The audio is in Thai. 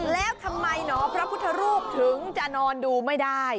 แล้วทำไมหนอพระพุทธรูปถึงจะนอนดูไม่ได้